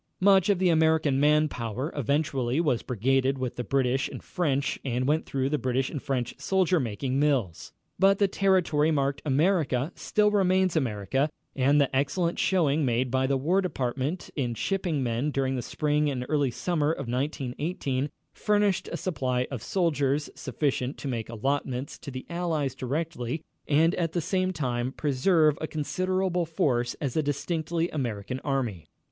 Much of the American man power eventually was brigaded with the British and French and went through the British and French soldier making mills. But the territory marked America still remains America and the excellent showing made by the War Department in shipping men during the spring and early summer of 1918 furnished a supply of soldiers sufficient to make allotments to the Allies directly and at the same time preserve a considerable force as a distinctly American Army.